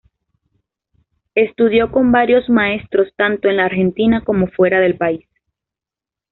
Estudió con varios maestros, tanto en la Argentina como fuera del país.